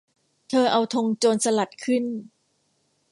เธอเอาธงโจรสลัดขึ้น